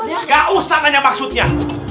enggak usah nanya maksudnya